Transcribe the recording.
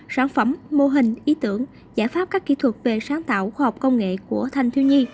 sản phẩm mô hình ý tưởng giải pháp các kỹ thuật về sáng tạo khoa học công nghệ của thanh thiếu nhi